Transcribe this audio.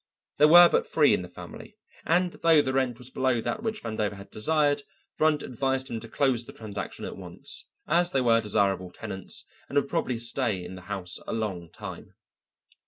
There were but three in the family, and though the rent was below that which Vandover had desired, Brunt advised him to close the transaction at once, as they were desirable tenants and would probably stay in the house a long time.